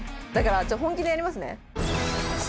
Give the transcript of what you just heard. だから、ちょっと本気でやりますね。